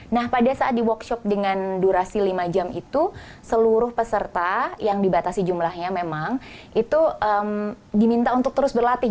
nah pada saat di workshop dengan durasi lima jam itu seluruh peserta yang dibatasi jumlahnya memang itu diminta untuk terus berlatih